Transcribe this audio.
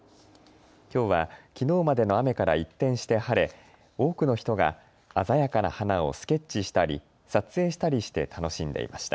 きょうはきのうまでの雨から一転して晴れ多くの人が鮮やかな花をスケッチしたり撮影したりして楽しんでいました。